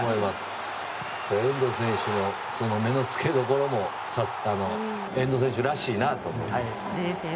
遠藤選手の目の付け所も遠藤選手らしいなと思います。